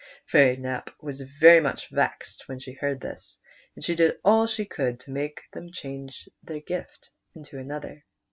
Fairy Nap was very much vexed when she heard PKIA'CK DORAN. 157 this, and did all she could to make them change that gift into another.